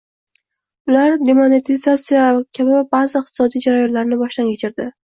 ular demonetizatsiya kabi baʼzi iqtisodiy jarayonlarni boshdan kechirdi